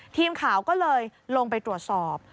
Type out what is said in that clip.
ทีมข่าวก็เลยลงไปตรวจสอบ